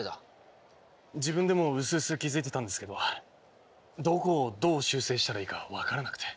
自分でもうすうす気付いてたんですけどどこをどう修正したらいいか分からなくて。